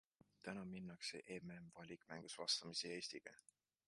Täna minnakse MM-valikmängus vastamisi Eestiga.